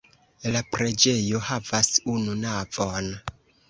La preĝejo havas unu navon.